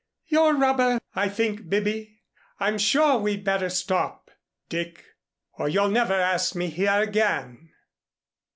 "Your rubber, I think, Bibby. I'm sure we'd better stop, Dick, or you'll never ask me here again."